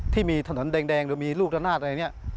ที่มีถนนแดงหรือมีลูกละนาดอะไรเนี่ย